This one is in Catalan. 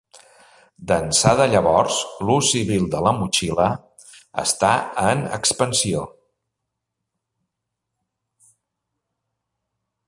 D'ençà de llavors, l'ús civil de la motxilla està en expansió.